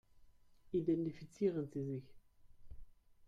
Identifizieren Sie sich.